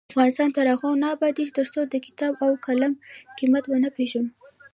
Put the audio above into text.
افغانستان تر هغو نه ابادیږي، ترڅو د کتاب او قلم قیمت ونه پیژنو.